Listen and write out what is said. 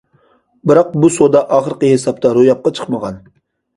بىراق بۇ سودا ئاخىرقى ھېسابتا روياپقا چىقمىغان.